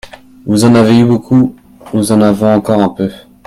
Vous en avez eu beaucoup, nous en avons encore un peu.